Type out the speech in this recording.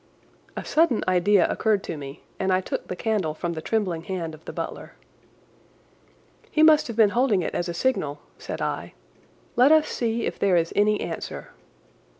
A sudden idea occurred to me, and I took the candle from the trembling hand of the butler. "He must have been holding it as a signal," said I. "Let us see if there is any answer."